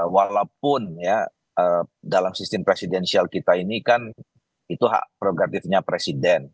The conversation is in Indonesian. walaupun ya dalam sistem presidensial kita ini kan itu hak prerogatifnya presiden